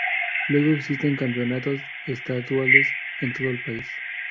Luego existen campeonatos estaduales en todo el país.